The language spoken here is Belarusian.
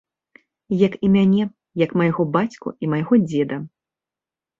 Як і мяне, як майго бацьку і майго дзеда.